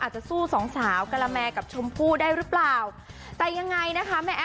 อาจจะสู้สองสาวกละแม่กับชมผู้ได้หรือเปล่าแต่ยังไงนะคะ